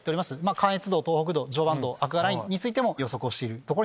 関越道東北道常磐道アクアラインについても予測をしている。